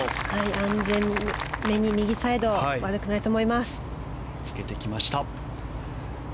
安全に右サイド悪くないと思います。